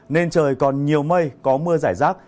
nên trời còn nhiều mây có mưa giải rác